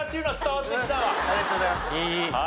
ありがとうございます。